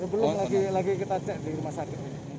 belum lagi kita cek di rumah sakit ini